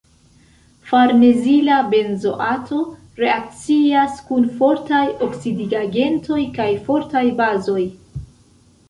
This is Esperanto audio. Farnezila benzoato reakcias kun fortaj oksidigagentoj kaj fortaj bazoj.